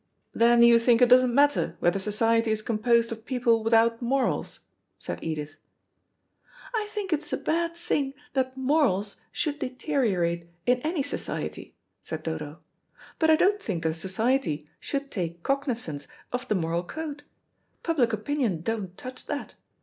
"Then you think it doesn't matter whether society is composed of people without morals?" said Edith. "I think it's a bad thing that morals should deteriorate in any society," said Dodo; "but I don't think that society should take cognisance of the moral code. Public opinion don't touch that.